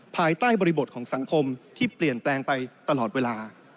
ภายใต้บริบทของสังคมที่เปลี่ยนแปลงไปตลอดเวลา